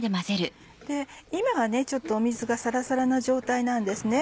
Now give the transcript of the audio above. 今はちょっと水がサラサラな状態なんですね。